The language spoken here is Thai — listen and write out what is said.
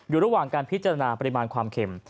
อยู่ระหว่างการพิจารณาปริมาณความเข็ม